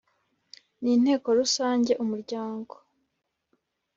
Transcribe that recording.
n inteko rusange Umuryango